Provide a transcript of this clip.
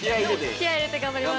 ◆気合い入れて頑張ります。